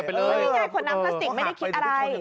ใช่คณะควดน้ำพลาสติกไม่ได้ขึ้นอะไร